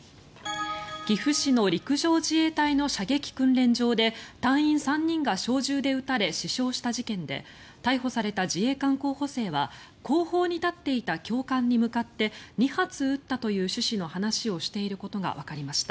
岐阜市の陸上自衛隊の射撃訓練場で隊員３人が小銃で撃たれ死傷した事件で逮捕された自衛官候補生は後方に立っていた教官に向かって２発撃ったという趣旨の話をしていることがわかりました。